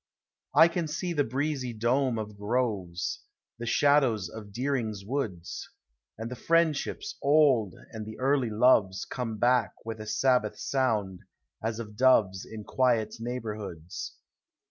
I can see the breezy dome of groves, The shadows of Deering's Woods ; And the friendships old and the early loves Come back with a Sabbath sound, as of doves In quiet neighborhoods.